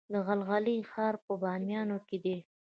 د غلغلې ښار په بامیان کې دی